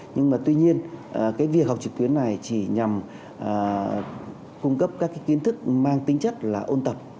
nhưng mà tuy nhiên cái việc học trực tuyến này chỉ nhằm cung cấp các cái kiến thức mang tính chất là ôn tập